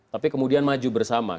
tapi kemudian maju bersama